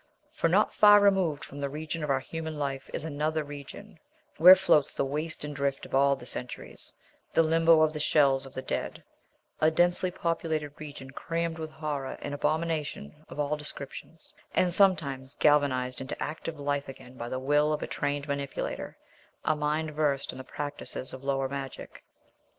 For, not far removed from the region of our human life, is another region where floats the waste and drift of all the centuries, the limbo of the shells of the dead; a densely populated region crammed with horror and abomination of all descriptions, and sometimes galvanized into active life again by the will of a trained manipulator, a mind versed in the practices of lower magic.